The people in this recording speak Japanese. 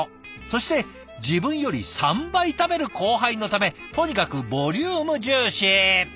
そして自分より３倍食べる後輩のためとにかくボリューム重視。